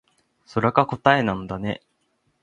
それが答えなんだね